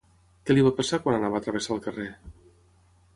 Què li va passar quan anava a travessar el carrer?